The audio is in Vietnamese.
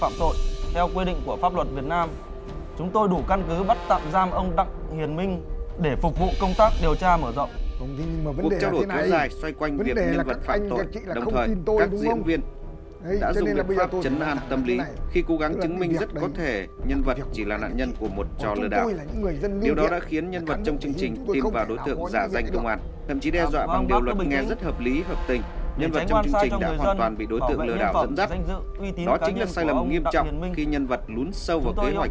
một là chúng tôi sẽ bắt tạm giam để phục vụ công tác điều tra theo quyết định của việc kiểm soát